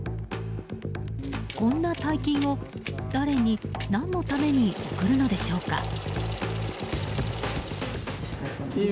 こんな大金を誰に何のために送るのでしょうか。